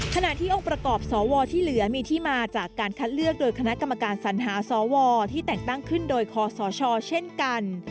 ขณะที่องค์ประกอบสวที่เหลือมีที่มาจากการคัดเลือกโดยคณะกรรมการสัญหาสวที่แต่งตั้งขึ้นโดยคอสชเช่นกัน